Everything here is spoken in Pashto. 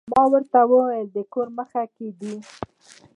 ما ورته ووې د کور مخ کښې دې